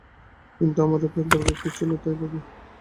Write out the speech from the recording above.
কিন্তু, আমার রূপের দরকার কী ছিল তাই ভাবি।